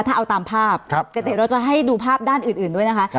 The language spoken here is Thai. ถ้าเอาตามภาพครับแต่เดี๋ยวเราจะให้ดูภาพด้านอื่นอื่นด้วยนะคะครับ